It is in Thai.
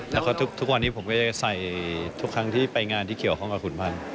แล้วก็ทุกวันนี้ผมก็จะใส่ทุกครั้งที่ไปงานที่เกี่ยวข้องกับขุนพันธ์